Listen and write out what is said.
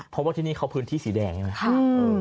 เพราะว่าที่นี่เขาพื้นที่สีแดงใช่ไหม